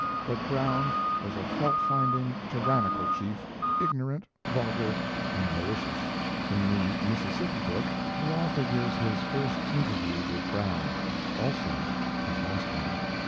But Brown was a fault finding, tyrannical chief, ignorant, vulgar, and malicious. In the Mississippi book the author gives his first interview with Brown, also his last one.